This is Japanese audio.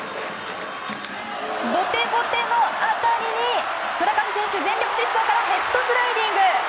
ボテボテの当たりに村上選手、全力疾走からのヘッドスライディング！